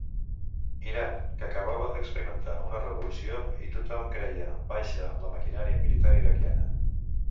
Iran, que acabava d'experimentar una revolució, i tothom creia baixa la maquinària militar iraquiana.